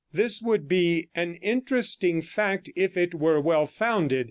This would be an interesting fact if it were well founded.